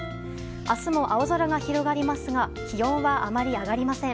明日も青空が広がりますが気温はあまり上がりません。